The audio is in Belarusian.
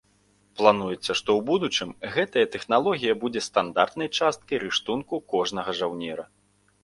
Плануецца, што ў будучым гэтая тэхналогія будзе стандартнай часткай рыштунку кожнага жаўнера.